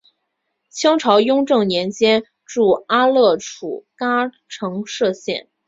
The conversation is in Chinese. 清朝雍正年间筑阿勒楚喀城设县。